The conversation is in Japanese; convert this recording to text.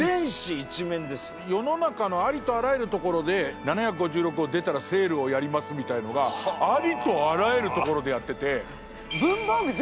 世の中のありとあらゆるところで「７５６号出たらセールをやります」みたいなのがありとあらゆるところでやってて。